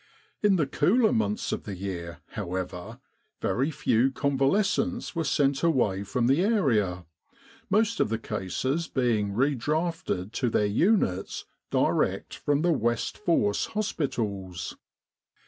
In the cooler months of the year, however, very few convalescents were sent away from the area, most of the cases being re drafted to their units direct from the West Force hospitals.